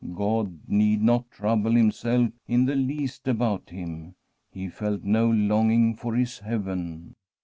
God need not trouble Himself in the least about him ; he felt no longing for His heaven.